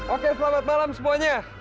oke selamat malam semuanya